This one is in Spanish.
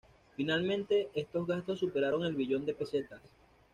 Finalmente, estos gastos superaron el billón de pesetas.